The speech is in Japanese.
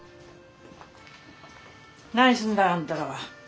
何にすんだいあんたらは。